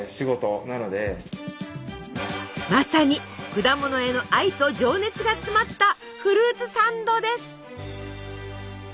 まさに果物への愛と情熱が詰まったフルーツサンドです！